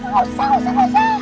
hah usah usah usah